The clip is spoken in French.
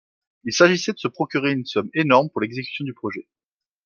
Il s’agissait de se procurer une somme énorme pour l’exécution du projet.